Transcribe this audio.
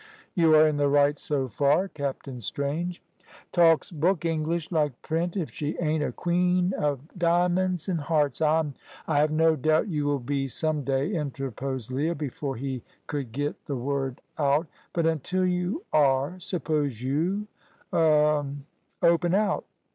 "You are in the right so far, Captain Strange" "Talks book English like print. If she ain't a queen of dimins an' hearts I'm " "I have no doubt you will be some day," interposed Leah, before he could get the word out; "but until you are, suppose you er open out."